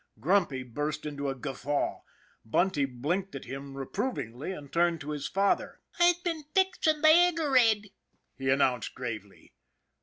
Grumpy burst into a guffaw. Bunty blinked at him reprovingly, and turned to his father. " I's been fixin' the 'iger 'ed," he announced gravely.